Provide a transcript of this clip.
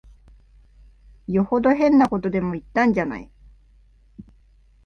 よほど変なことでも言ったんじゃない。